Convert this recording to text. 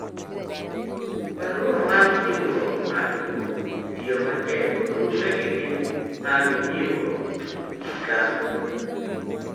barua mar jiwo ng'ato kuom tiyo matek. barupegi gin mag jiwo ji ka